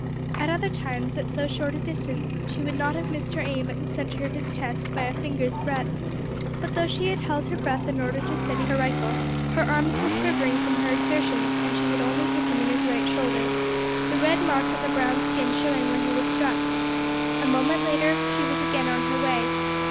At other times, at so short a distance, she would not have missed her aim at the centre of his chest by a finger's breadth; but though she had held her breath in order to steady her rifle, her arms were quivering from her exertions, and she had only hit him on his right shoulder, the red mark on the brown skin showing where he was struck. A moment later she was again on her way.